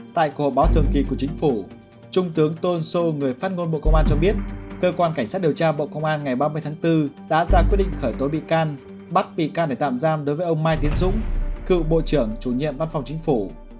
trung tướng tôn sô người phát ngôn bộ công an cho biết cơ quan cảnh sát điều tra bộ công an ngày ba mươi tháng bốn đã ra quyết định khởi tối bị can bắt bị can để tạm giam đối với ông mai tiến dũng cựu bộ trưởng chủ nhiệm văn phòng chính phủ